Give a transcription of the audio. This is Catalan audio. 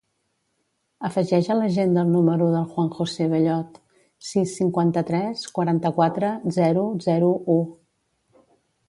Afegeix a l'agenda el número del Juan josé Bellot: sis, cinquanta-tres, quaranta-quatre, zero, zero, u.